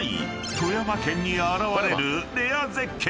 ［富山県に現れるレア絶景］